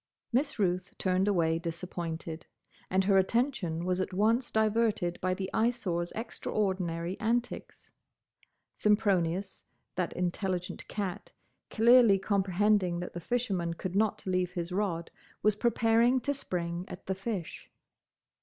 Miss Ruth turned away disappointed, and her attention was at once diverted by the Eyesore's extraordinary antics. Sempronius, that intelligent cat, clearly comprehending that the fisherman could not leave his rod, was preparing to spring at the fish.